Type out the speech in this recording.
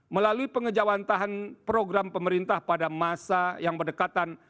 melalui pengejauhan tahan program pemerintah pada masa yang berdekatan